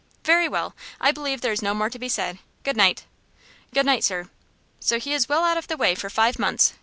"Very well. I believe there is no more to be said. Good night!" "Good night, sir." "So he is well out of the way for five months!"